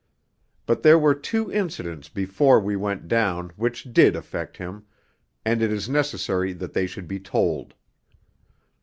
But there were two incidents before we went down which did affect him, and it is necessary that they should be told.